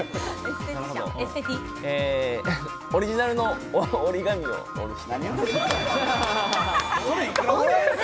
オリジナルの折り紙を折る人。